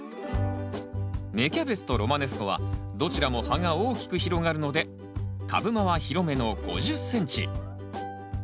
芽キャベツとロマネスコはどちらも葉が大きく広がるので株間は広めの５０ｃｍ。